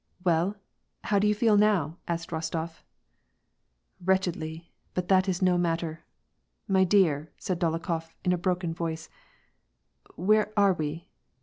« Well ? How do you feel now ?" asked Rostof . "Wretchedly ; but that is no matter. My dear," said Dol okhof in a broken voice, " where are we